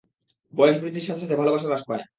বয়স বৃদ্ধির সাথে সাথে ভালোবাসা হ্রাস পায়!